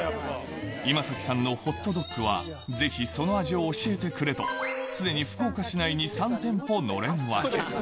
今崎さんのホットドッグは、ぜひその味を教えてくれと、すでに福岡市内に３店舗のれん分け。